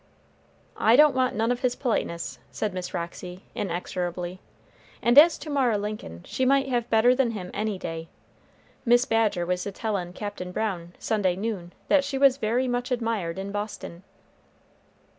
"I don't want none of his politeness," said Miss Roxy, inexorably; "and as to Mara Lincoln, she might have better than him any day. Miss Badger was a tellin' Captain Brown, Sunday noon, that she was very much admired in Boston."